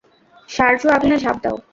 সারজু, আগুনে ঝাঁপ দাও।